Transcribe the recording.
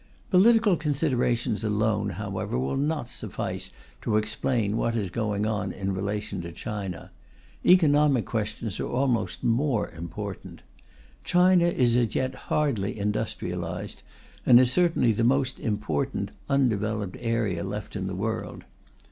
Political considerations alone, however, will not suffice to explain what is going on in relation to China; economic questions are almost more important. China is as yet hardly industrialized, and is certainly the most important undeveloped area left in the world.